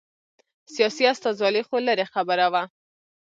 سیاسي استازولي خو لرې خبره وه.